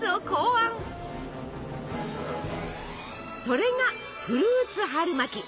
それがフルーツ春巻き！